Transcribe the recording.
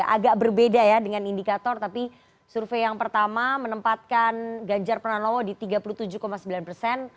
agak berbeda ya dengan indikator tapi survei yang pertama menempatkan ganjar pranowo di tiga puluh tujuh sembilan persen